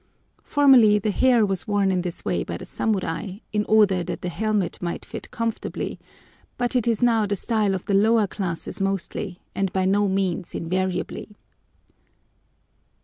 Formerly the hair was worn in this way by the samurai, in order that the helmet might fit comfortably, but it is now the style of the lower classes mostly and by no means invariably.